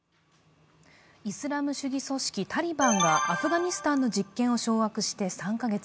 イスラム主義組織タリバンがアフガニスタンの実権を掌握して３カ月。